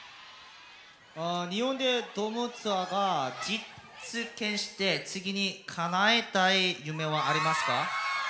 「日本でドームツアーが実現して次にかなえたい夢はありますか？」。